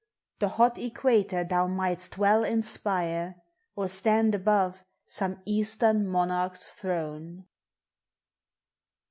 The hot equator thou mightst well inspire, Or stand above some Eastern monarch's throne.